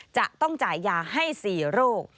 จะต้องจ่ายยาให้๔โรค